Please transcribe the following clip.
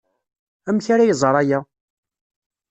Amek ara iẓer aya?